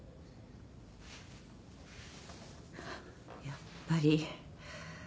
やっぱり。